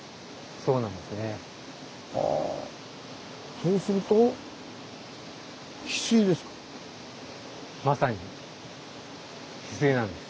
そうするとまさにヒスイなんです。